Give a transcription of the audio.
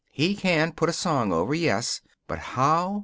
He can put a song over, yes. But how?